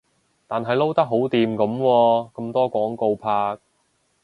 但係撈得好掂噉喎，咁多廣告拍